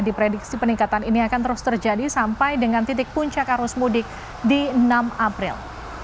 diprediksi peningkatan ini akan terus terjadi sampai dengan titik puncak arus mudik di enam april